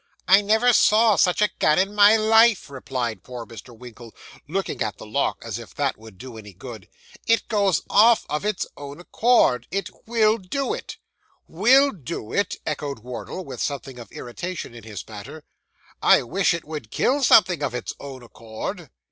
'I never saw such a gun in my life,' replied poor Mr. Winkle, looking at the lock, as if that would do any good. 'It goes off of its own accord. It _will _do it.' 'Will do it!' echoed Wardle, with something of irritation in his manner. 'I wish it would kill something of its own accord.